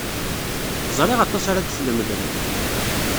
Ẓriɣ aṭas ara d-tlemdem.